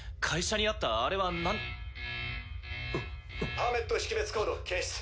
パーメット識別コード検出。